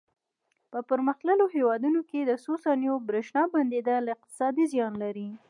په پرمختللو هېوادونو کې د څو ثانیو برېښنا بندېدل اقتصادي زیان لري.